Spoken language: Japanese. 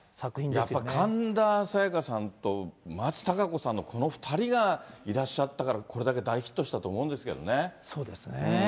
やっぱ神田沙也加さんと、松たか子さんの、この２人がいらっしゃったからこれだけ大ヒットしたと思うんですそうですね。